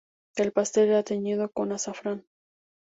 El pastel era teñido con azafrán.